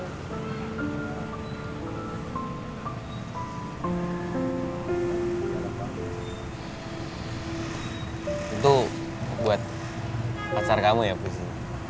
itu buat pacar kamu ya puisi